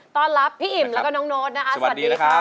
รับพี่อิ่มแล้วก็น้องโน๊ตนะคะสวัสดีครับ